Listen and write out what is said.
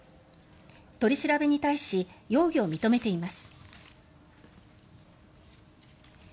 取り調べに対し容疑を認めています。